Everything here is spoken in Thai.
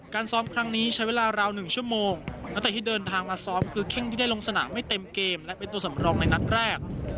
ซ้อมครั้งนี้ใช้เวลาราว๑ชั่วโมงตั้งแต่ที่เดินทางมาซ้อมคือแข้งที่ได้ลงสนามไม่เต็มเกมและเป็นตัวสำรองในนัดแรก